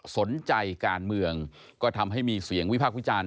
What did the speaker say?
สนใจการเมืองก็ทำให้มีเสียงวิพากษ์วิจารณ์